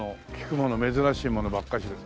もの珍しいものばっかしです。